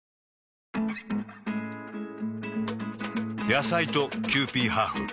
野菜とキユーピーハーフ。